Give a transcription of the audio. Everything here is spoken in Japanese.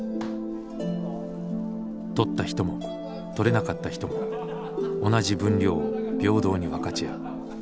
獲った人も獲れなかった人も同じ分量を平等に分かち合う。